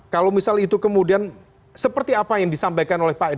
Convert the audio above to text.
kalau misal itu kemudian seperti apa yang disampaikan oleh pak edi